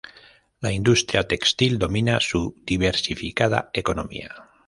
La industria textil domina su diversificada economía.